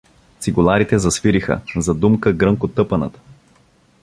Цигуларите засвириха, задумка гръмко тъпанът.